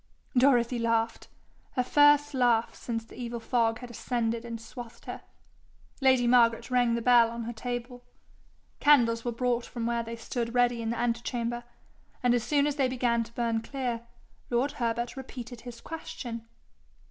Dorothy laughed her first laugh since the evil fog had ascended and swathed her. Lady Margaret rang the bell on her table. Candles were brought from where they stood ready in the ante chamber, and as soon as they began to burn clear, lord Herbert repeated his question.